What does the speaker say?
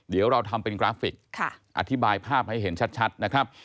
เดี๋ยวเราทำเป็นกราฟิกอธิบายภาพให้เห็นชัดนะครับ